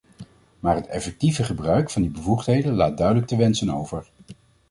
Maar het effectieve gebruik van die bevoegdheden laat duidelijk te wensen over.